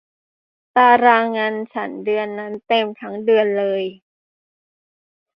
ตารางงานฉันเดือนนั้นเต็มทั้งเดือนเลย